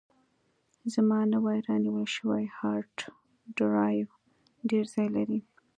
زما نوی رانیول شوی هارډ ډرایو ډېر ځای لري.